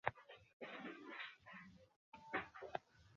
আসিয়া দরজায় ঘা দেয়।